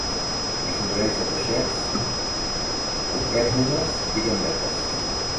Es nodreix de peixets, copèpodes i gambetes.